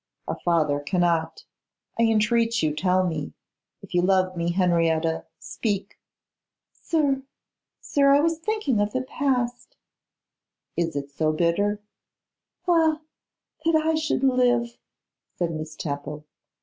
'A father cannot. I entreat you tell me. If you love me, Henrietta, speak.' 'Sir, sir, I was thinking of the past.' 'Is it so bitter?' 'Ah! that I should live!' said Miss Temple.